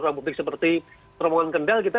ruang publik seperti terowongan kendal kita